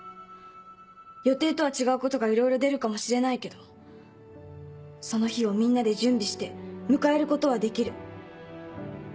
予定とは違うことがいろいろ出るかもしれないけどその日をみんなで準備して迎えることはできる。